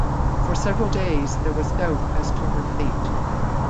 For several days there was doubt as to her fate.